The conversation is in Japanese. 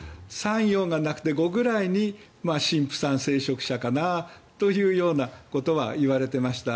３、４がなくて５くらいに神父さん聖職者かなということは言われていました。